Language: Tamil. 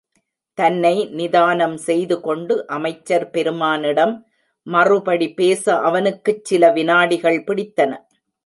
தன்னை நிதானம் செய்து கொண்டு அமைச்சர் பெருமானிடம் மறுபடி பேச அவனுக்குச் சில விநாடிகள் பிடித்தன.